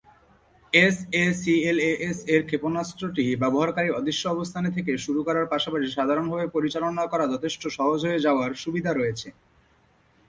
এসএসিএলএএস-এর ক্ষেপণাস্ত্রটি ব্যবহারকারীর অদৃশ্য অবস্থানে থেকে শুরু করার পাশাপাশি সাধারণভাবে পরিচালনা করা যথেষ্ট সহজ হয়ে যাওয়ার সুবিধা রয়েছে।